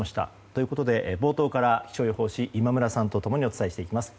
ということで冒頭から気象予報士今村さんと共にお伝えしていきます。